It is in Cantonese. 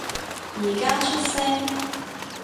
而家出聲